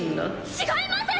違います！